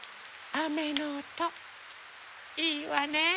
あめのおといいわね。